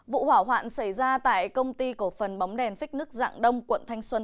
vụ hỏa hoạn xảy ra tại công ty cổ phần bóng đèn phích nước dạng đông quận thanh xuân